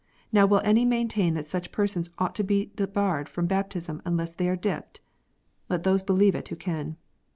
Now will any maintain that such persons ought to be debarred from baptism unless they are " dipped " 1 Let those believe it who can.